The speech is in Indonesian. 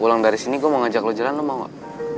pulang dari sini gue mau ngajak lo jalan lo mau gak